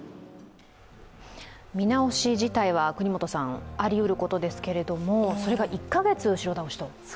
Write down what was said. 見直し自体はありうることですけれども、それが１カ月、後ろ倒しと。